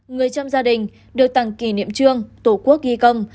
người trong gia đình được tặng kỷ niệm trương tổ quốc ghi công